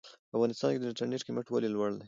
په افغانستان کې د انټرنېټ قيمت ولې لوړ دی ؟